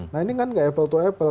nah ini kan gak apple to apple